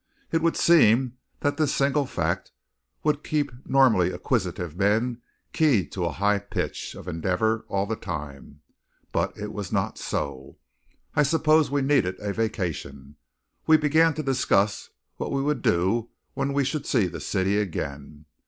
It would seem that this single fact would keep normally acquisitive men keyed to a high pitch of endeavour all the time; but it was not so. I suppose we needed a vacation. We began to discuss what we would do when we should see the city again.